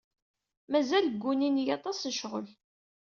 Mazal ggunin-iyi aṭas n lecɣal.